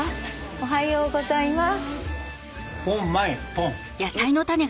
おはようございます。